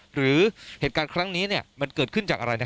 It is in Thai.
หรือเหตุการณ์ครั้งนี้มันเกิดขึ้นจากอะไร